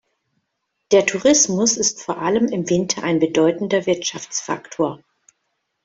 Der Tourismus ist vor allem im Winter ein bedeutender Wirtschaftsfaktor.